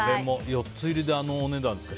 ４つ入りであのお値段ですか。